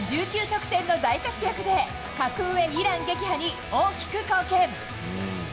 １９得点の大活躍で、格上イラン撃破に大きく貢献。